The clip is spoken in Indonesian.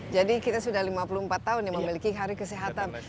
jadi kita sudah lima puluh empat tahun memiliki hari kesehatan